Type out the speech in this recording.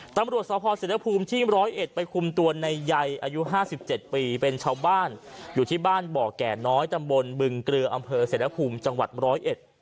ตำรวจสพเศรษฐภูมิที่ร้อยเอ็ดไปคุมตัวในใยอายุห้าสิบเจ็ดปีเป็นชาวบ้านอยู่ที่บ้านบ่อแก่น้อยตำบลบึงเกลืออำเภอเศรษฐภูมิจังหวัดร้อยเอ็ด